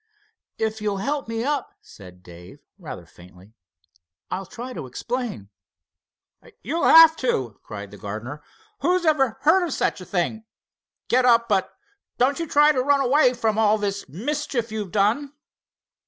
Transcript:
"If you'll help me up," said Dave, rather faintly; "I'll try to explain." "You'll have to!" cried the gardener. "Who ever heard of such a thing? Get up, but don't you try to run away from all the mischief you've done."